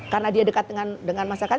karena dia dekat dengan masyarakat